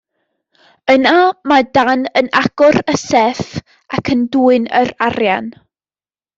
Yna mae Dan yn agor y sêff ac yn dwyn yr arian.